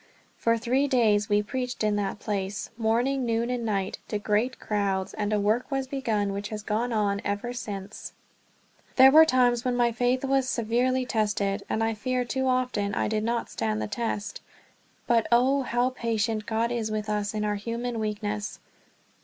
For three days we preached in that place morning, noon, and night to great crowds; and a work was begun which has gone on ever since. There were times when my faith was severely tested, and I fear too often I did not stand the test; but oh, how patient God is with us in our human weakness.